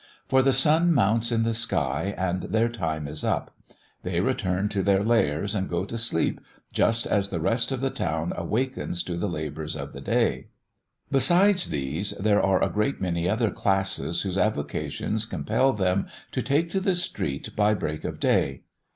For the sun mounts in the sky and their time is up. They return to their lairs and go to sleep just as the rest of the town awakens to the labours of the day. Besides these, there are a great many other classes whose avocations compel them to take to the street by break of day.